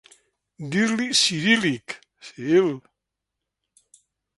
Dir-li ciríl·lic, Ciril.